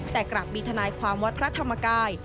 แต่กลับมีทนายความวัดพระธรรมกาย